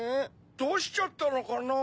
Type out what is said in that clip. どうしちゃったのかな？